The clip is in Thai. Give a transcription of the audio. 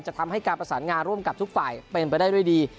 ทำให้การประสานงานร่วมกับทุกฝ่ายเป็นไปได้ด้วยดี